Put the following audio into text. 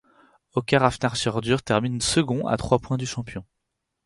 Haukar Hafnarfjordur termine second à trois points du champion.